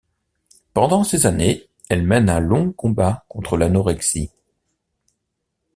Pendant ces années, elle mène un long combat contre l'anorexie.